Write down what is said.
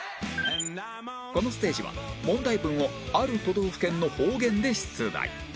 このステージは問題文をある都道府県の方言で出題